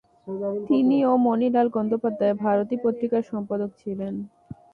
তিনি ও মণিলাল গঙ্গোপাধ্যায় 'ভারতী' পত্রিকার সম্পাদক ছিলেন।